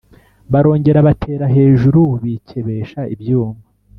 barongera batera hejuru bikebesha ibyuma